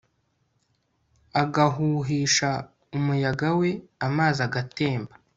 agahuhisha umuyaga we, amazi agatemba